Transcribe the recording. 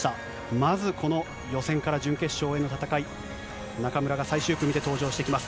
まずこの予選から準決勝への戦い、中村が最終組で登場してきます。